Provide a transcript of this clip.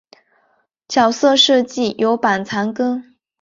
角色设计由板仓耕一担当。